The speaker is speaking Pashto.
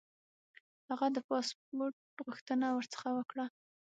هغه د پاسپوټ غوښتنه ورڅخه وکړه.